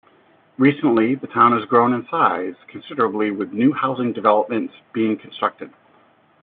Recently, the town has grown in size considerably with new housing developments being constructed.